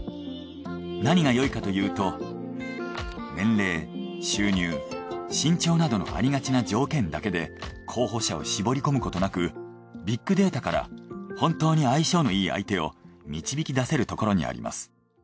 何がよいかというと年齢収入身長などのありがちな条件だけで候補者を絞り込むことなくビッグデータから本当に相性のいい相手を導き出せるところにあります。